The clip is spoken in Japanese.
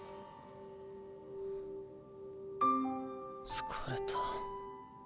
疲れた。